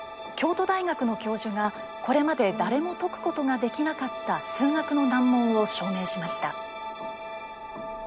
京都大学の教授がこれまで誰も解くことができなかった数学の難問を証明しました」。